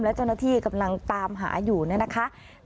และเจ้าหน้าที่กำลังตามหาอยู่เนี่ยนะคะ